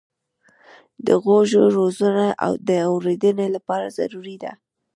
د غوږو روزنه د اورېدنې لپاره ضروري ده.